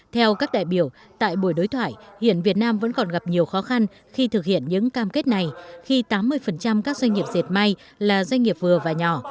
theo các đại biểu tại buổi đối thoại hiện việt nam vẫn còn gặp nhiều khó khăn khi thực hiện những cam kết này khi tám mươi các doanh nghiệp dệt may là doanh nghiệp vừa và nhỏ